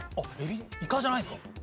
イカじゃないんですか？